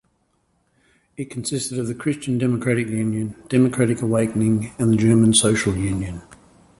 It consisted of the Christian Democratic Union, Democratic Awakening and the German Social Union.